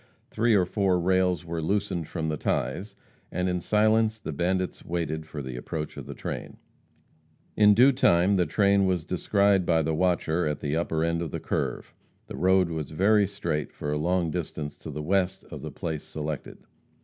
Three or four rails were loosened from the ties, and in silence the bandits waited for the approach of the train. In due time the train was descried by the watcher at the upper end of the curve the road was very straight for a long distance to the west of the place selected.